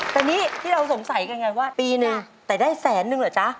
แต่นี่ที่เราสงสัยกันไงว่าปีนึงแต่ได้แสนนึงเหรอจ๊ะ